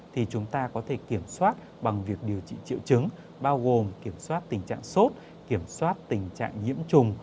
thì chúng ta có thể kiểm soát bằng việc điều trị triệu chứng bao gồm kiểm soát tình trạng sốt kiểm soát tình trạng nhiễm trùng